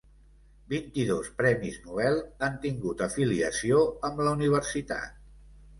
Vint-i-dos premis Nobel han tingut afiliació amb la universitat.